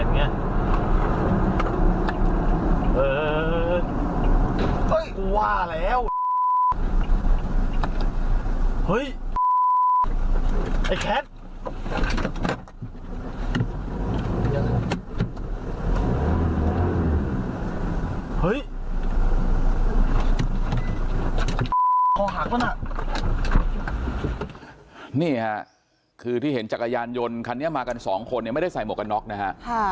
นี่ค่ะคือที่เห็นจักรยานยนต์คันนี้มากันสองคนเนี่ยไม่ได้ใส่หมวกกันน็อกนะฮะ